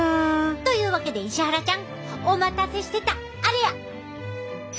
というわけで石原ちゃんお待たせしてたあれや！